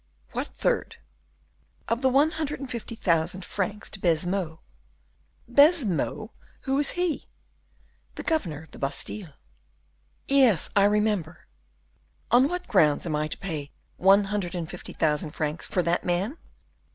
"What third?" "Of the one hundred and fifty thousand francs to Baisemeaux." "Baisemeaux? Who is he?" "The governor of the Bastile." "Yes, I remember. On what grounds am I to pay one hundred and fifty thousand francs for that man."